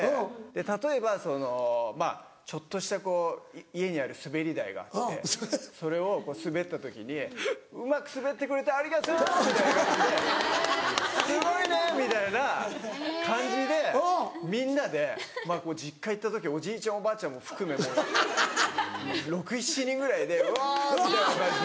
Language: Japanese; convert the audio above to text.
例えばそのまぁちょっとしたこう家にある滑り台があってそれを滑った時に「うまく滑ってくれてありがとう」みたいな感じで「すごいね」みたいな感じでみんなで実家行った時おじいちゃんおばあちゃんも含めもう６７人ぐらいで「うわ！」みたいな感じで。